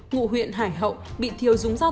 ngụ huyện hải hậu bị thiều dúng giao